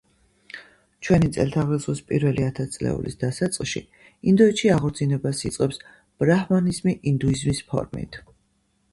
ჩვენი წელთაღრიცხვის პირველი ათასწლეულის დასაწყისში ინდოეთში აღორძინებას იწყებს ბრაჰმანიზმი ინდუიზმის ფორმით.